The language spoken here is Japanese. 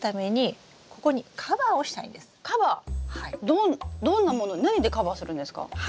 どんどんなもの何でカバーするんですか？